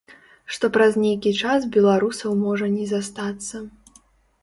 Што праз нейкі час беларусаў можа не застацца.